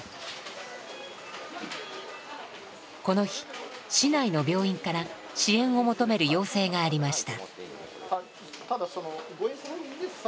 この日市内の病院から支援を求める要請がありました。